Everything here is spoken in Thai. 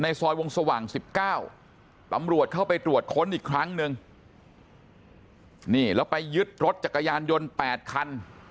ซอยวงสว่าง๑๙ตำรวจเข้าไปตรวจค้นอีกครั้งหนึ่งนี่แล้วไปยึดรถจักรยานยนต์๘คัน